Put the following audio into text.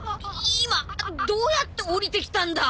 今どうやって降りてきたんだ！？